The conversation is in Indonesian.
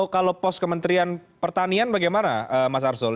kalau pos kementerian pertanian bagaimana mas arsul